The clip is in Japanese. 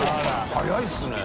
早いですね。